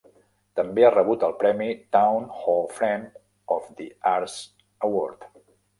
També ha rebut el premi Town Hall Friend of the Arts Award.